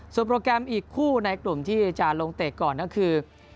โปรแกรมอีกคู่ในกลุ่มที่จะลงเตะก่อนก็คือ